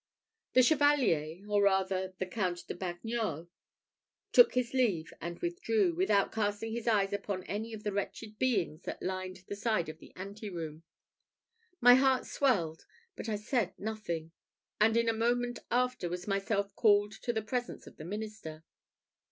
The Chevalier, or rather the Count de Bagnols, took his leave and withdrew, without casting his eyes upon any of the wretched beings that lined the side of the anteroom. My heart swelled, but I said nothing; and, in a moment after, was myself called to the presence of the minister.